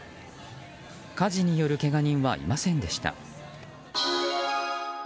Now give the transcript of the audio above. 火事によるけが人はいませんでした。